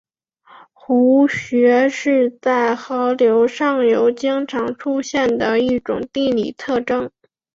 壶穴是在河流上游经常出现的一种地理特征。